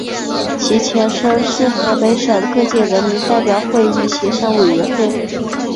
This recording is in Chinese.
其前身是河北省各界人民代表会议协商委员会。